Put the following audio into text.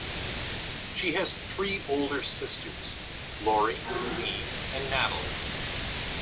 She has three older sisters; Lori, Lee, and Natalie.